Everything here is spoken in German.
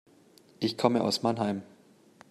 Ich komme aus Mannheim